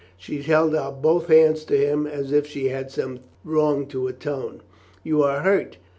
She held out both hands to him as if she had some wrong to atone. "You are hurt.